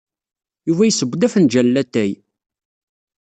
Yuba isseww-d afenjal n latay.